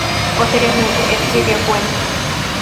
Posteriormente escribió cuentos.